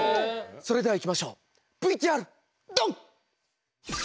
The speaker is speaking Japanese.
それではいきましょうＶＴＲドン！